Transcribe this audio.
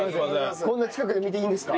こんな近くで見ていいんですか？